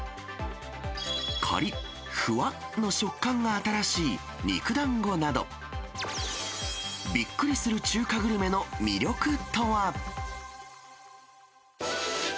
かりっ、ふわっの食感が新しい肉団子など、びっくりする中華グルメの魅力とは。